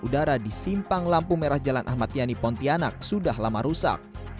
udara di simpang lampu merah jalan ahmad yani pontianak sudah lama rusak